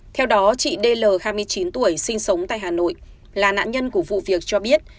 theo đó chị dl hai mươi chín tuổi sinh sống tại hà nội là nạn nhân của vụ việc cho biết